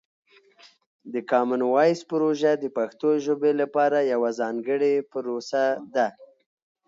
د کامن وایس پروژه د پښتو ژبې لپاره یوه ځانګړې پروسه ده.